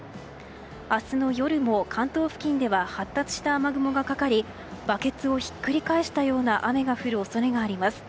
明日の夜も関東付近では発達した雨雲がかかりバケツをひっくり返したような雨が降る恐れがあります。